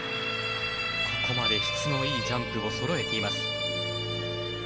ここまで質のいいジャンプをそろえています。